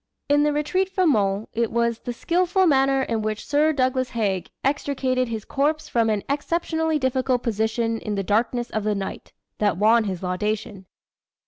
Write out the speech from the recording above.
In the retreat from Mons it was "the skilful manner in which Sir Douglas Haig extricated his corps from an exceptionally difficult position in the darkness of the night," that won his laudation.